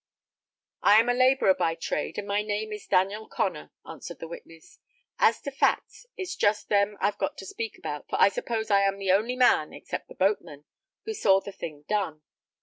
"I am a labourer by trade, and my name is Daniel Connor," answered the witness; "and as to facts, it's just them I've got to speak about, for I suppose I am the only man, except the boatman, who saw the thing done.